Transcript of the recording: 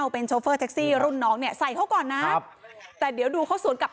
เป็นโชเฟอร์แท็กซี่รุ่นน้องเนี่ยใส่เขาก่อนนะครับแต่เดี๋ยวดูเขาสวนกลับ